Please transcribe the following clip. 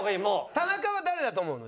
田中は誰だと思うの？